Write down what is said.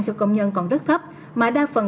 cho công nhân còn rất thấp mà đa phần